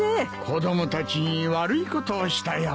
子供たちに悪いことをしたよ。